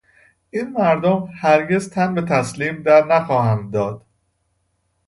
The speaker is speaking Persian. این مردم هرگز تن به تسلیم درنخواهند داد.